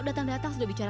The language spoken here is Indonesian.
dan hukumlah saya